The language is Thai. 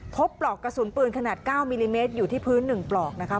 ปลอกกระสุนปืนขนาด๙มิลลิเมตรอยู่ที่พื้น๑ปลอกนะคะ